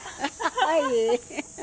はい。